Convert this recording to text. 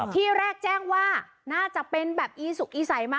ที่แรกแจ้งว่าน่าจะเป็นแบบอีสุกอีใสมา